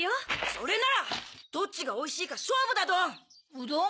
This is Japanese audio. それならどっちがおいしいかしょうぶだどん！